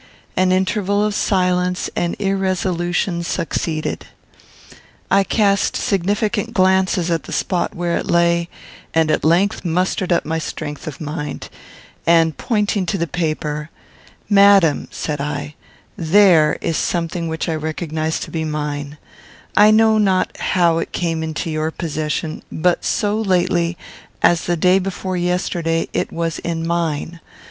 An interval of silence and irresolution succeeded. I cast significant glances at the spot where it lay, and at length mustered up my strength of mind, and, pointing to the paper, "Madam," said I, "there is something which I recognise to be mine: I know not how it came into your possession, but so lately as the day before yesterday it was in mine.